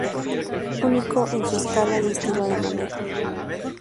Único en su escala y estilo de manejo.